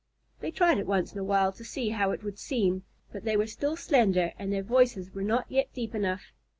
They tried it once in a while to see how it would seem, but they were still slender and their voices were not yet deep enough.